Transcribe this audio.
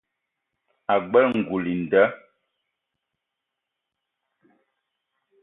Ag͡bela ngoul i nda.